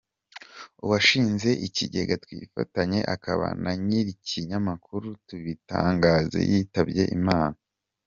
Uwashinze Ikigega twifatanye akaba na nyir’Ikinyamakuru Tubitangaze yitabye Imana